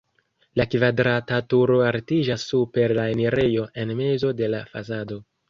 La kvadrata turo altiĝas super la enirejo en mezo de la fasado.